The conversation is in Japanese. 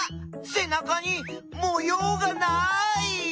せなかにもようがない！